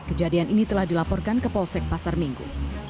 kejadian ini telah dilaporkan ke polsek pasar minggu